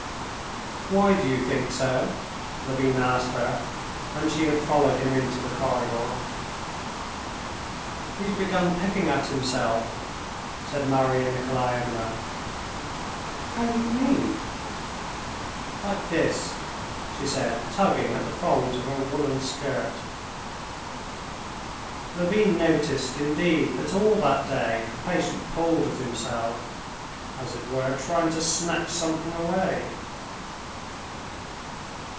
"Why do you think so?" Levin asked her, when she had followed him into the corridor. "He has begun picking at himself," said Marya Nikolaevna. "How do you mean?" "Like this," she said, tugging at the folds of her woolen skirt. Levin noticed, indeed, that all that day the patient pulled at himself, as it were, trying to snatch something away.